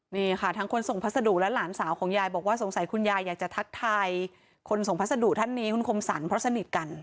นี่ค่ะทั้งคนส่งพัสดุและหลานสาวของยายบอกว่าสงสัยคุณยายอยากจะทักทายคนส่งพัสดุท่านนี้คุณคมสรรเพราะสนิทกัน